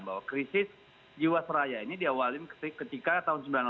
bahwa krisis jiwaseraya ini diawalin ketika tahun seribu sembilan ratus sembilan puluh